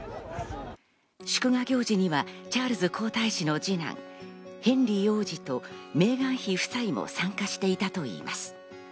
祝賀行事にはチャールズ皇太子の二男、ヘンリー王子と、メーガン妃夫妻も参加していたといいます。